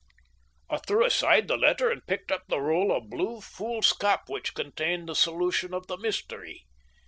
I threw aside the letter and picked up the roll of blue foolscap which contained the solution of the mystery.